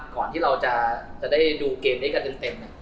ก่อนที่เราจะได้ดูเกมด้วยกันเต็ม